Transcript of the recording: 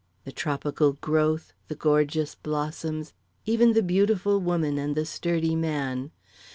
The tropical growth, the gorgeous blossoms, even the beautiful woman and the sturdy man.